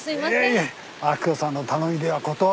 いやいや明子さんの頼みでは断れませんよ。